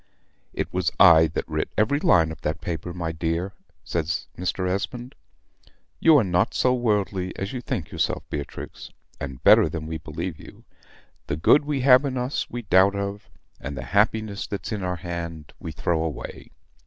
"It was I that writ every line of that paper, my dear," says Mr. Esmond. "You are not so worldly as you think yourself, Beatrix, and better than we believe you. The good we have in us we doubt of; and the happiness that's to our hand we throw away.